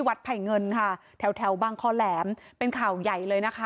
ไผ่เงินค่ะแถวแถวบางคอแหลมเป็นข่าวใหญ่เลยนะคะ